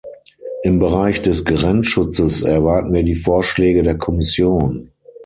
Im Bereich des Grenzschutzes erwarten wir die Vorschläge der Kommission.